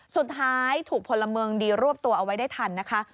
สุดท้ายถูกพลเมืองดีรวบตัวเอาไว้ได้ทันนะคะ